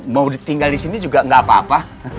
mau tinggal disini juga gak apa apa